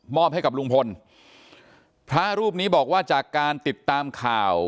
ให้กับลุงพลพระรูปนี้บอกว่าจากการติดตามข่าว